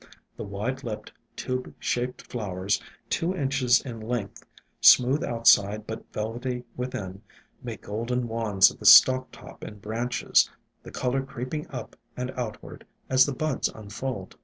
The wide lipped, tube shaped flowers, two inches in length, smooth outside but velvety within, make golden wands of the stalk top and branches, the color creeping up and outward as the buds unfold.